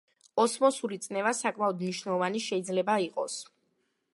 ოსმოსური წნევა საკმაოდ მნიშვნელოვანი შეიძლება იყოს.